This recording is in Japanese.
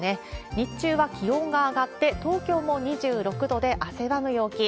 日中は気温が上がって、東京も２６度で汗ばむ陽気。